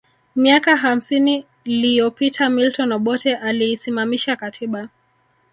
Miaka hamsini liyopita Milton Obote aliisimamisha katiba